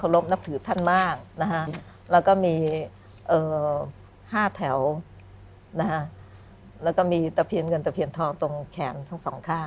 แล้วก็มีตะเผียนเงินตะเผียนทองตรงแขนทั้งสองข้าง